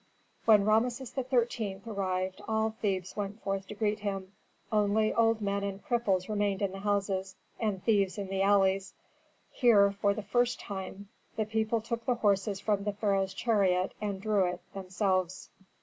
When Rameses XIII. arrived all Thebes went forth to greet him, only old men and cripples remained in the houses, and thieves in the alleys. Here, for the first time, the people took the horses from the pharaoh's chariot and drew it themselves.